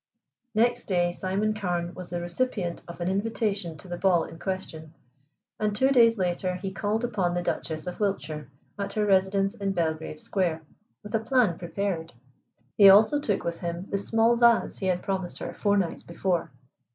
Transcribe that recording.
Next day Simon Carne was the recipient of an invitation to the ball in question, and two days later he called upon the Duchess of Wiltshire, at her residence in Belgrave Square, with a plan prepared. He also took with him the small vase he had promised her four nights before.